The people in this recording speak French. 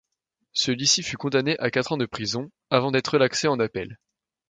Celui-ci fut condamné à quatre ans de prison, avant d'être relaxé en appel.